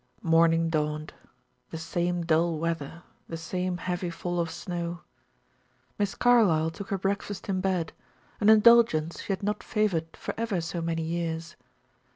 Morning dawned. The same dull weather, the same heavy fall of snow. Miss Carlyle took her breakfast in bed, an indulgence she had not favored for ever so many years.